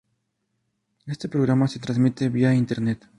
Este programa se transmite vía Internet.